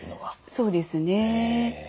そうですね。